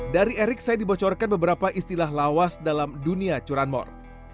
dari erik saya dibocorkan beberapa istilah lawas dalam dunia curanmor